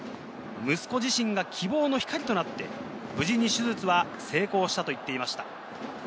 息子自身が希望の光となって、無事に手術は成功したと言っていました。